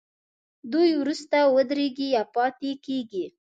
دوی وروسته درېږي یا پاتې کیږي.